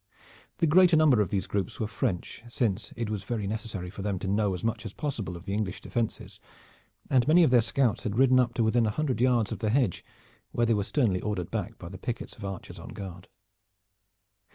The greater number of these groups were French, since it was very necessary for them to know as much as possible of the English defenses; and many of their scouts had ridden up to within a hundred yards of the hedge, where they were sternly ordered back by the pickets of archers on guard.